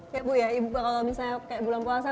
ya bu ya ibu kalau misalnya kayak bulan puasa